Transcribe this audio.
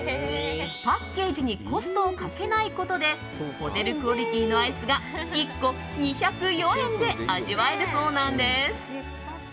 パッケージにコストをかけないことでホテルクオリティーのアイスが１個２０４円で味わえるそうなんです。